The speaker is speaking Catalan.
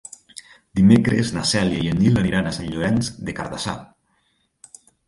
Dimecres na Cèlia i en Nil aniran a Sant Llorenç des Cardassar.